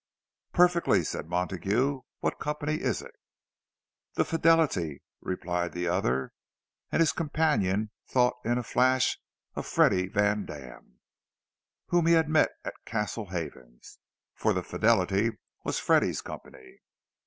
"Perfectly," said Montague. "What company is it?" "The Fidelity," replied the other—and his companion thought in a flash of Freddie Vandam, whom he had met at Castle Havens! For the Fidelity was Freddie's company.